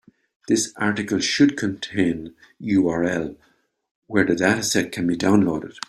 The article should contain URL where the dataset can be downloaded.